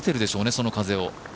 その風を。